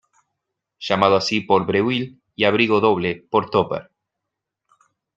Llamado así por Breuil y "Abrigo Doble" por Topper.